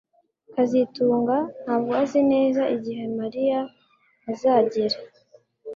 kazitunga ntabwo azi neza igihe Mariya azagera